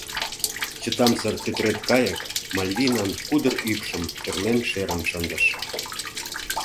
Чытамсыр тӧтыреткайык Мальвинан кудыр ӱпшым тӧрлен шерын шындыш.